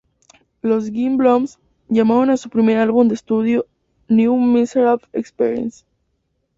Los Gin Blossoms llamaron a su primer álbum de estudio "New Miserable Experience".